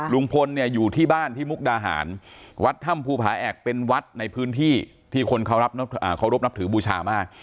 ลุงพลเนี่ยอยู่ที่บ้านที่มุกดาหารวัดถ้ำภูผาแอกเป็นวัดในพื้นที่ที่คนเคารพนับถือบูชามาก